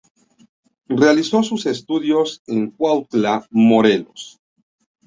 Realizó sus estudios en Cuautla, Morelos.